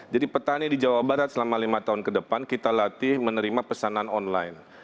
jadi petani di jawa barat selama lima tahun ke depan kita latih menerima pesanan online